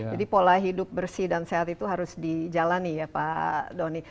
pola hidup bersih dan sehat itu harus dijalani ya pak doni